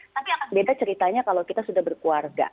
tapi akan beda ceritanya kalau kita sudah berkeluarga